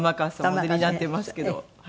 お出になっていますけど。